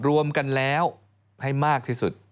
รวมกันแล้วให้มากที่สุด